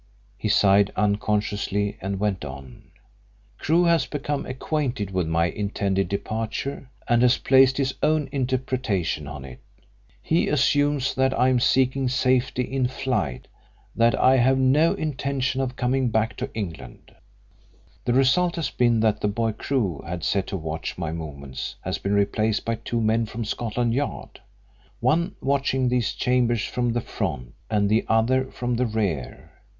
He sighed unconsciously, and went on: "Crewe has become acquainted with my intended departure and has placed his own interpretation on it. He assumes that I am seeking safety in flight that I have no intention of coming back to England. The result has been that the boy Crewe had set to watch my movements has been replaced by two men from Scotland Yard one watching these chambers from the front, and the other from the rear."